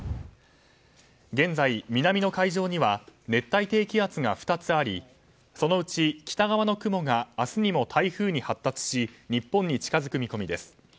現在、南の海上には熱帯低気圧が２つありそのうち北側の雲が明日にも台風に発達し日本に近づく見込みです。